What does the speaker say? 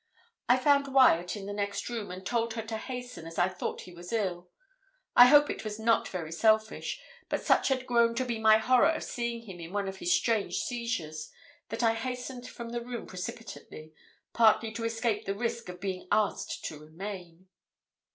I found Wyat in the next room, and told her to hasten, as I thought he was ill. I hope it was not very selfish, but such had grown to be my horror of seeing him in one of his strange seizures, that I hastened from the room precipitately partly to escape the risk of being asked to remain.